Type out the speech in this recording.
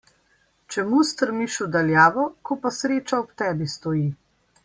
Čemu strmiš v daljavo, ko pa sreča ob tebi stoji.